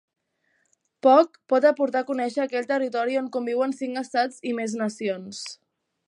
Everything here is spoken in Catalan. Poc pot aportar conèixer aquell territori on conviuen cinc estats i més nacions.